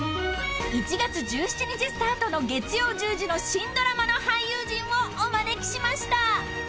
［１月１７日スタートの月曜１０時の新ドラマの俳優陣をお招きしました］